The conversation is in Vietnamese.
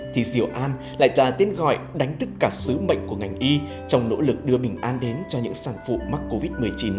thì diệu an lại là tên gọi đánh tất cả sứ mệnh của ngành y trong nỗ lực đưa bình an đến cho những sản phụ mắc covid một mươi chín